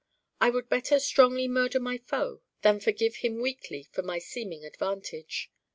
I would better strongly murder my foe than forgive him Weakly for my seeming advantage.